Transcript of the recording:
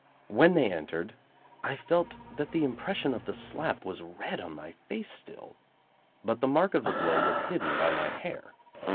When they entered, I felt that the impression of the slap was red on my face still, but the mark of the blow was hidden by my hair.